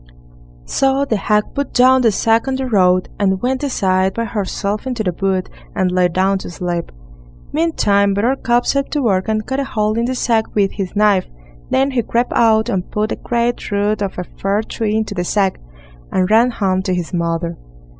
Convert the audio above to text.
So the hag put down the sack on the road, and went aside by herself into the wood, and lay down to sleep. Meantime Buttercup set to work and cut a hole in the sack with his knife; then he crept out and put a great root of a fir tree into the sack, and ran home to his mother.